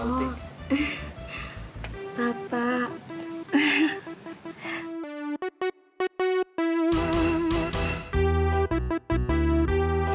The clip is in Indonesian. jangan dipegang tangannya